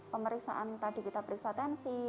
pemeriksaan tadi kita periksa tensi